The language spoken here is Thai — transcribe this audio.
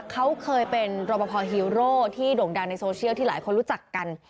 เขาเคยเป็นรบพอฮีโร่ที่โด่งดังในโซเชียลที่หลายคนรู้จักกัน